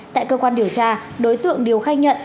tại cơ quan điều tra đối tượng điều khai nhận